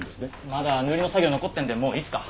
まだ塗りの作業残ってるんでもういいっすか？